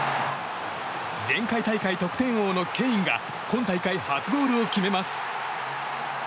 前回大会得点王のケインが今大会初ゴールを決めます。